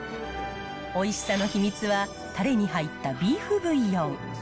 おいしさの秘密は、たれに入ったビーフブイヨン。